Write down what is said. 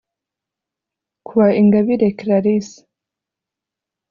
Kuwa ingabire clarisse